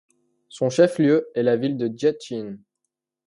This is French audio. Son chef-lieu est la ville de Děčín.